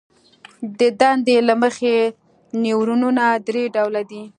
د دندې له مخې نیورونونه درې ډوله دي.